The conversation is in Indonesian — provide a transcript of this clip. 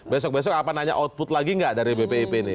besok besok akan nanya output lagi nggak dari bpip ini